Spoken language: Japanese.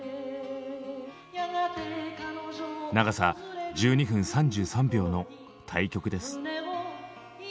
長さ１２分３３秒の大曲です。